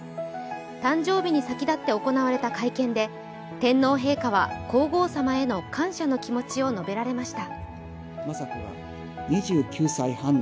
誕生日に先立って行われた会見で天皇陛下は皇后さまへの感謝の気持ちを述べられました。